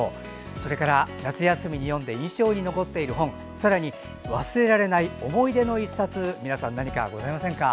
それから、夏休みに読んで印象に残っている本さらに、忘れられない思い出の１冊など皆さん何かございませんか。